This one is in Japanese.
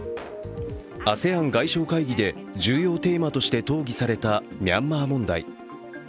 ＡＳＥＡＮ外相会議で重要テーマで討議されたミャンマー問題。